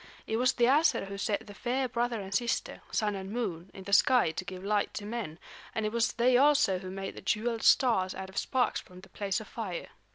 It was the Æsir who set the fair brother and sister, Sun and Moon, in the sky to give light to men; and it was they also who made the jeweled stars out of sparks from the place of fire.